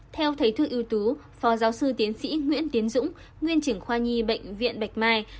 theo thầy thư ưu tú phó giáo sư tiến sĩ nguyễn tiến dũng nguyên trưởng khoa nhi bệnh viện bạch mai